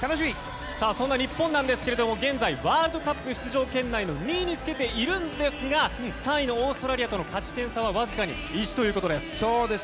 そんな日本なんですが現在ワールドカップ出場圏内の２位につけているんですが３位のオーストラリアとの勝ち点差はわずかに１ということです。